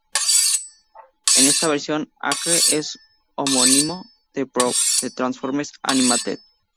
En esta versión Arcee es un homónimo de Prowl de Transformers Animated.